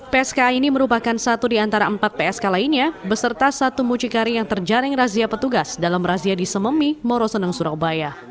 pska ini merupakan satu di antara empat psk lainnya beserta satu mucikari yang terjaring razia petugas dalam razia di sememi moroseneng surabaya